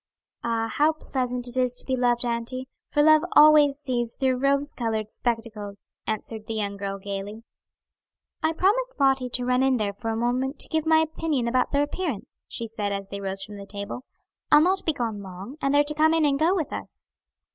"Ah, how pleasant it is to be loved, auntie, for love always sees through rose colored spectacles," answered the young girl gayly. "I promised Lottie to run in there for a moment to give my opinion about their appearance," she said, as they rose from the table. "I'll not be gone long; and they're to come in and go with us."